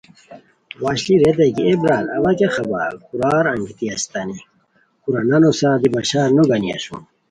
وشلی ریتائے اے برار اوا کیہ خبر کورار انگیتی استانی کورہ نانو سار دی بشار نو گانی اسوم